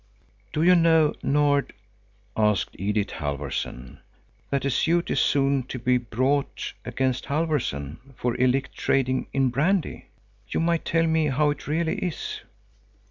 "Do you know, Nord," asked Edith Halfvorson, "that a suit is soon to be brought against Halfvorson for illicit trading in brandy? You might tell me how it really is."